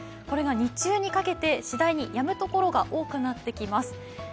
これが日中にかけて次第にやむ所が多くなってきます。